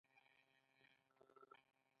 انجنیری د زده کړې یو مهم مسلک دی.